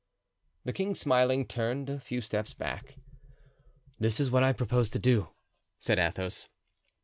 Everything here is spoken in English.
The king, smiling, turned a few steps back. "This is what I propose to do," said Athos.